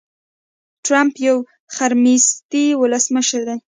ټرمپ يو خرمستی ولسمشر دي.